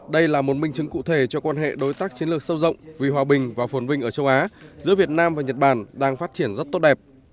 đây là một minh chứng cụ thể cho quan hệ đối tác chiến lược sâu rộng vì hòa bình và phồn vinh ở châu á giữa việt nam và nhật bản đang phát triển rất tốt đẹp